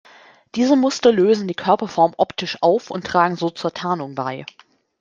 Diese Muster lösen die Körperform optisch auf und tragen so zur Tarnung bei.